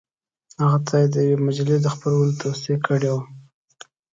هغه ته یې د یوې مجلې د خپرولو توصیه کړې وه.